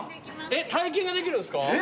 えっ体験ができるんですか？